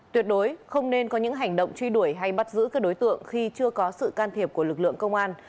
tuyệt đối không nên có những hành động truy đuổi hay bắt giữ các đối tượng khi chưa có sự can thiệp của lực lượng công an